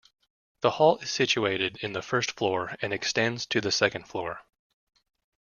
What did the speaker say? The hall is situated in the first floor and extends to the second floor.